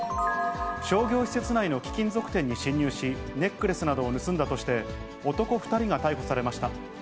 商業施設内の貴金属店に侵入し、ネックレスなどを盗んだとして、男２人が逮捕されました。